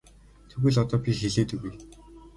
Тэгвэл би одоо хэлээд өгье.